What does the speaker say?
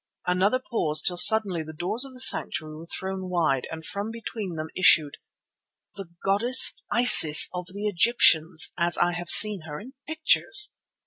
Another pause till suddenly the doors of the sanctuary were thrown wide and from between them issued—the goddess Isis of the Egyptians as I have seen her in pictures!